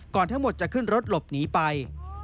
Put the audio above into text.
ทั้งหมดจะขึ้นรถหลบหนีไป